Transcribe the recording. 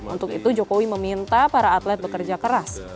untuk itu jokowi meminta para atlet bekerja keras